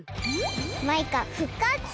マイカふっかつ！